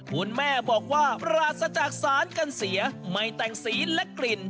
คุณแม่บอกว่าปราศจากสารกันเสียไม่แต่งสีและกลิ่น